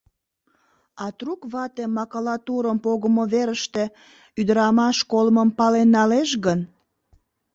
А трук вате макулатурым погымо верыште ӱдырамаш колымым пален налеш гын?..